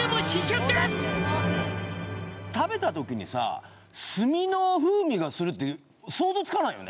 食べた時にさ炭の風味がするって想像つかないよね